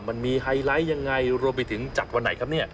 ไฮไลท์ยังไงรวมไปถึงจากวันไหนครับเนี่ย